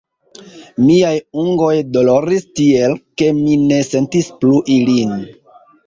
Miaj ungoj doloris tiel, ke mi ne sentis plu ilin.